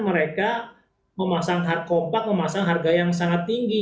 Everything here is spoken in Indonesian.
mereka memasang kompak memasang harga yang sangat tinggi